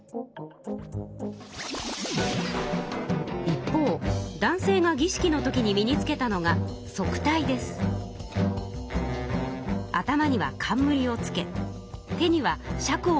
一方男性がぎ式のときに身につけたのが頭には冠をつけ手にはしゃくを持ちました。